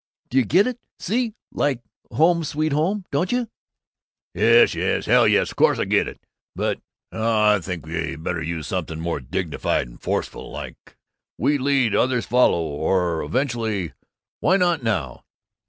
Do you get it? See like 'Home Sweet Home.' Don't you " "Yes, yes, yes, hell yes, of course I get it. But Oh, I think we'd better use something more dignified and forceful, like 'We lead, others follow,' or 'Eventually, why not now?